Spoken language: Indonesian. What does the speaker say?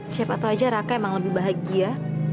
siap siap aja raka emang lebih bahagia